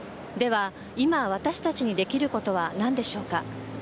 では、今、私たちにできることは何でしょうか。